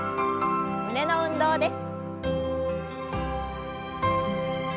胸の運動です。